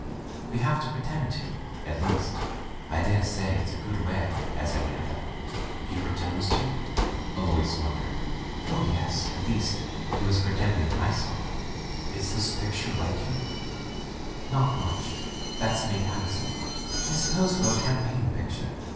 We have to pretend to, at least. I dare say it's as good a way as any other." "He pretends, too?" Alois wondered. "Oh, yes. At least, he was pretending when I saw him." Digitized by LjOOQ IC Son of the Woods Is this picture like him?'* "Not much. That's made handsome, I suppose, for a campaign picture.